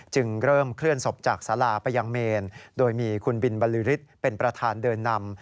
จึงเริ่มเคลื่อนศพจากสาราไปยังเมนโดยมีคุณบินบริฤทธิ์เป็นประธานเดินนำ